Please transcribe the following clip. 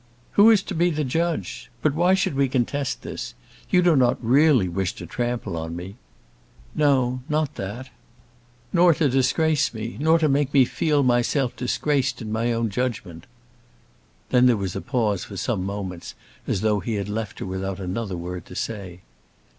"Who is to be the judge? But why should we contest this? You do not really wish to trample on me!" "No; not that." "Nor to disgrace me; nor to make me feel myself disgraced in my own judgment?" Then there was a pause for some moments as though he had left her without another word to say.